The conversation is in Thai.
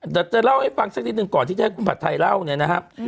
แต่จะเล่าให้ฟังสักนิดหนึ่งก่อนที่จะให้คุณผัดไทยเล่าเนี่ยนะครับ